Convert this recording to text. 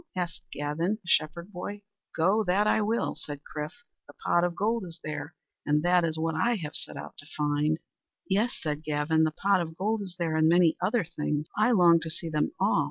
asked Gavin, the shepherd boy. "Go! That I will," said Chrif. "The pot of gold is there, and that is what I have set out to find." "Yes," said Gavin, "the pot of gold is there and many other things. I long to see them all.